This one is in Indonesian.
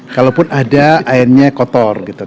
kalaupun ada airnya kotor